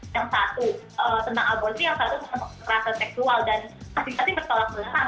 yang satu tentang albondri yang satu tentang rasa seksual dan pasti pasti bertolak besar